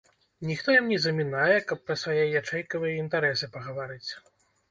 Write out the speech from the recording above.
Ніхто ім не замінае, каб пра свае ячэйкавыя інтарэсы пагаварыць.